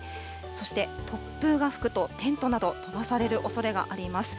そして突風が吹くと、テントなど、飛ばされるおそれがあります。